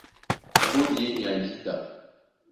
Mbódi í e nyay jǐta.